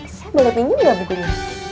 saya boleh minum bukunya